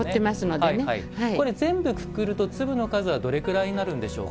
全部、くくると粒の数はどのぐらいになるんでしょうか？